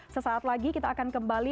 sesaat lagi kita akan kembali